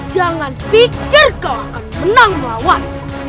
jangan pikir kau akan menang melawan